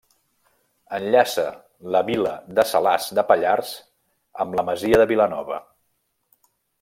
Enllaça la vila de Salàs de Pallars amb la Masia de Vilanova.